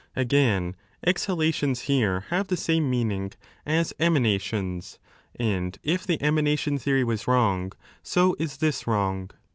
Again, exhalations here have the same meaning as emana 443 ^ tions, and if the emanation theory was wrong, so is this wrong.